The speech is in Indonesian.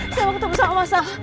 saya mau ketemu sama masa